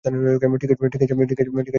ঠিক আছে আমি।